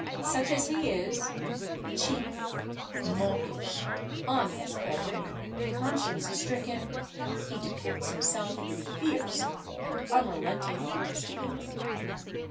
Such as he is, cheap, mawkish, unæsthetic, conscience stricken, he depicts himself with fierce and unrelenting honesty.